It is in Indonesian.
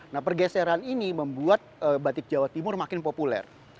nah pergeseran ini membuat batik ini menjadi batik yang lebih berkembang dan lebih berguna